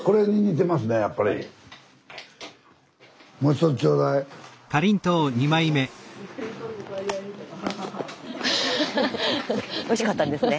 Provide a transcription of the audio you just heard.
スタジオおいしかったんですね。